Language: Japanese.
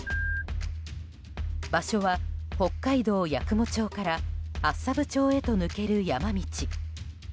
場所は、北海道八雲町から厚沢部町へと抜ける山道。